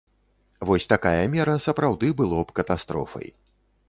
Вось такая мера сапраўды было б катастрофай.